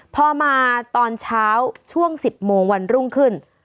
พอมาตอนเช้าช่วง๑๐โมงวันรุ่งขึ้น